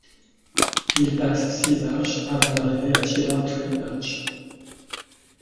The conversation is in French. Il passe six arches avant d'arriver à Cedar Tree Arch.